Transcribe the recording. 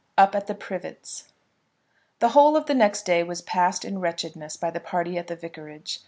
UP AT THE PRIVETS. The whole of the next day was passed in wretchedness by the party at the vicarage.